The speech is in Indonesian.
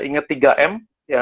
yang pasti tentunya mencuci tangan